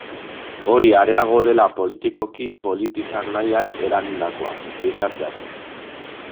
Hori areago dela politikoki polit izan nahiak eragindakoa, gizartearen.